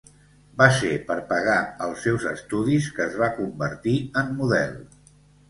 Va ser per pagar els seus estudis que es va convertir en model.